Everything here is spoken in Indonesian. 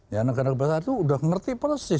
ya negara kebesaran itu udah ngerti persis